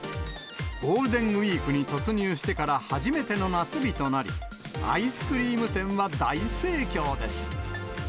ゴールデンウィークに突入してから初めての夏日となり、アイスクリーム店は大盛況です。